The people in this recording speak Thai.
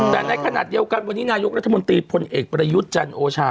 แต่ในขณะเดียวกันวันนี้นายกรัฐมนตรีพลเอกประยุทธ์จันทร์โอชา